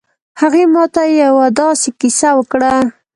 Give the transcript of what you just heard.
هغې ما ته یو ه داسې کیسه وکړه